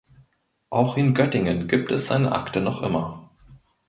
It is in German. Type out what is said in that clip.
Auch in Göttingen gibt es seine Akte noch immer.